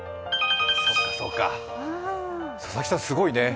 そうかそうか、佐々木さん、すごいね。